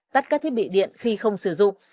tắt các thiết bị điện khi không sử dụng